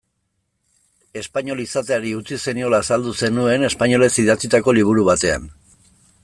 Espainol izateari utzi zeniola azaldu zenuen, espainolez idatzitako liburu batean.